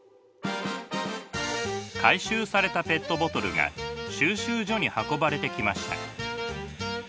回収されたペットボトルが収集所に運ばれてきました。